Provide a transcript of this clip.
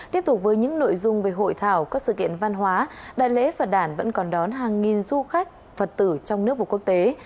tiếp tục với những nội dung về hội thảo các sự kiện văn hóa đại lễ phật đản vẫn còn đón hàng nghìn du khách phật tử trong nước và quốc tế